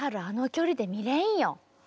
あの距離で見れんよ。